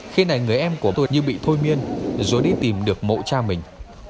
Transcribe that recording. khi này người em của tôi như bị thôi miên rồi đi tìm được mộ cha mình